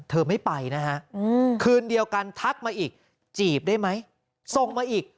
เธอไม่ไปนะฮะคืนเดียวกันทักมาอีกจีบได้ไหมส่งมาอีก